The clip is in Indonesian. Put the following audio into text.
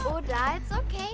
udah it's okey